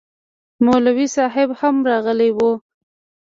مولوي صاحب هم راغلی و